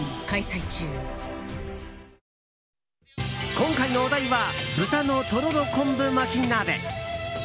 今回のお題は豚のとろろ昆布巻き鍋。